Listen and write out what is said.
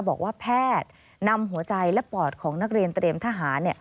บอกว่าแพทย์นำหัวใจและปอดของนักเรียนเตรียมทหาร